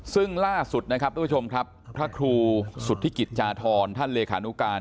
ซึ่งล่าสุดนะครับทุกผู้ชมครับพระครูสุทธิกิจจาธรท่านเลขานุการ